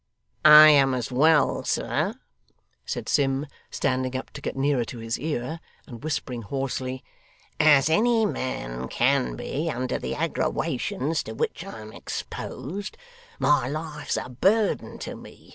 'I am as well, sir,' said Sim, standing up to get nearer to his ear, and whispering hoarsely, 'as any man can be under the aggrawations to which I am exposed. My life's a burden to me.